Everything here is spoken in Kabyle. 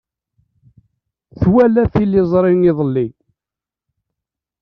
Twala tiliẓri iḍelli.